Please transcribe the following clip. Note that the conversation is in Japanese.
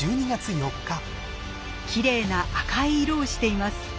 きれいな赤い色をしています。